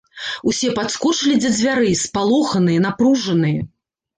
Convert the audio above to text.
Усе падскочылі да дзвярэй, спалоханыя, напружаныя.